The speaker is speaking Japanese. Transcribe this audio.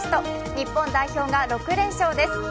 日本代表が６連勝です。